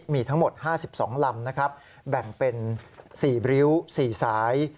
มีทั้งหมด๕๒ลำนะครับแบ่งเป็น๔ริ้ว๔สาย